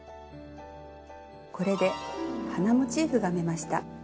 これで花モチーフが編めました。